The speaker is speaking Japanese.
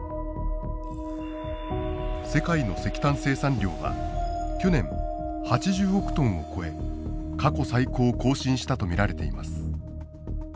世界の石炭生産量は去年８０億トンを超え過去最高を更新したと見られています。